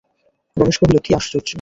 রমেশ কহিল, কী আশ্চর্য!